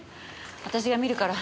私が見るから。